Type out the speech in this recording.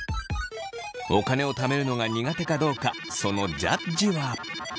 お金をためるのが苦手かどうかそのジャッジは。